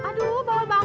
aduh bau banget sih kamu